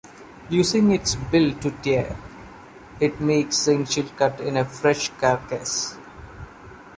Using its bill to tear, it makes the initial cut in a fresh carcass.